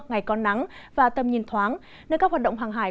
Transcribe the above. ngày có nắng và tầm nhìn thoáng nơi các hoạt động hàng hải